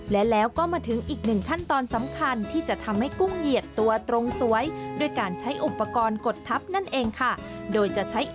และแล้วก็มาถึงอีกหนึ่งขั้นตอนสำคัญ